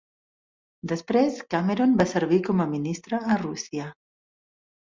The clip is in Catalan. Després, Cameron va servir com a ministre a Rússia.